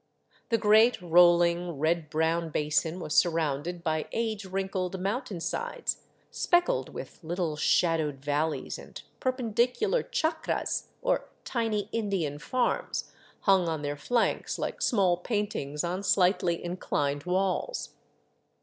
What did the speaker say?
The great rolling, red brown basin was surrounded by age wrinkled mountainsides speckled with little shadowed valleys and perpendicular chacras, or tiny Indian farms, hung on their flanks like small paintings on slightly inclined walls.